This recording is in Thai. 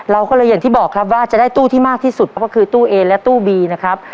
เราก็เลยอย่างที่บอกครับว่าจะได้ตู้ที่มากที่สุดก็คือตู้เอและตู้บีนะครับ